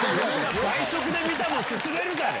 倍速で見たもん薦めるな！